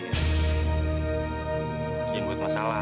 mungkin buat masalah